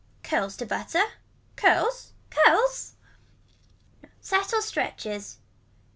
Curls to butter. Curls. Curls. Settle stretches.